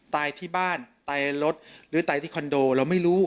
ตายที่บ้านตายรถหรือตายที่คอนโดเราไม่รู้